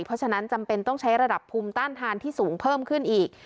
เพราะฉะนั้นจำเป็นต้องใช้ระดับภูมิต้านทานที่สูงเพิ่มขึ้นอีก